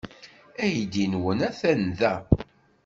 Aydi-nwen atan da.